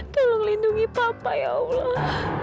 tolong lindungi papa ya allah